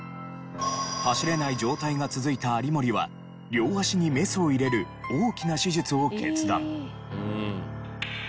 走れない状態が続いた有森は両足にメスを入れる大きな手術を決断。